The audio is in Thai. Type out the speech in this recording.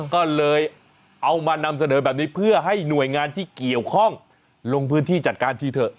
ก็เลยเอามานำเสนอแบบนี้เพื่อให้หน่วยงานที่เกี่ยวข้องลงพื้นที่จัดการทีเถอะ